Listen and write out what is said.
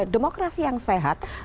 demokrasi yang sehat